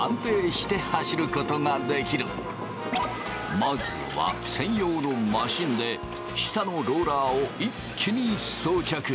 まずは専用のマシンで下のローラーを一気に装着。